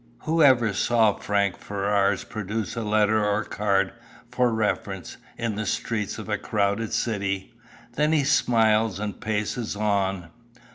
Who ever saw Frank Ferrars produce a letter or card, for reference, in the streets of a crowded city? Then he smiles and paces on.